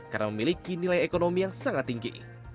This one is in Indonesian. karena memiliki nilai ekonomi yang sangat tinggi